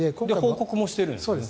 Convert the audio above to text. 報告もしてるんですよね。